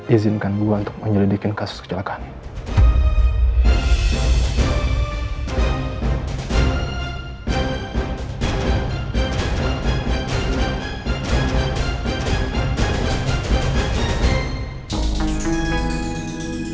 izinkan buah untuk menyelidiki kasus kecelakaan ini